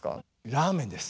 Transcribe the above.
ラーメンです。